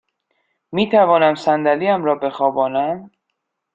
می توانم صندلی ام را بخوابانم؟